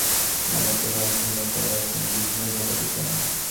মানে, তোমার ঘুমে কোনোরকম বিঘ্ন ঘটাতে চাই না।